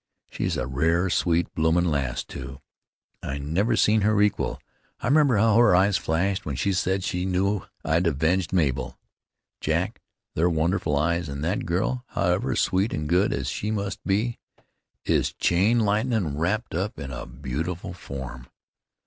She's a rare, sweet, bloomin' lass, too. I never seen her equal. I remember how her eyes flashed when she said she knew I'd avenged Mabel. Jack, they're wonderful eyes; an' that girl, however sweet an' good as she must be, is chain lightnin' wrapped up in a beautiful form.